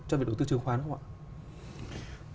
cho việc đầu tư chứng khoán không ạ